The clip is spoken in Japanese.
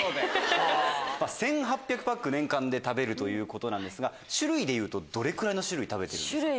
１８００パック年間で食べるということなんですが種類でいうとどれくらいの種類食べてるんですか？